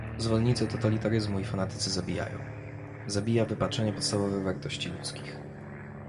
Zwolennicy totalitaryzmu i fanatycy zabijają, zabija wypaczenie podstawowych wartości ludzkości